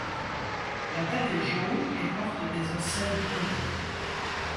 La tête est jaune et porte des ocelles brunes.